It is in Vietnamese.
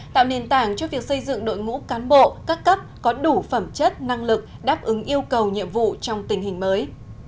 tạo nền tảng cho việc xây dựng đội ngũ cán bộ các cấp có đủ phẩm chất năng lực đáp ứng yêu cầu nhiệm vụ trong tình hình mới